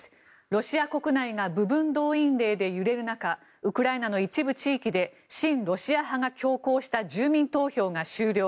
ロシア国内が部分動員令で揺れる中ウクライナの一部地域で親ロシア派が強行した住民投票が終了。